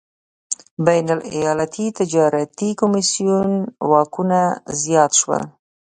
بین الایالتي تجارتي کمېسیون واکونه زیات شول.